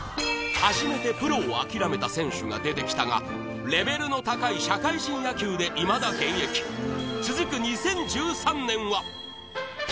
初めてプロを諦めた選手が出てきたがレベルの高い社会人野球でいまだ現役続く２０１３年は？